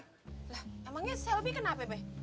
lah namanya shelby kenapa be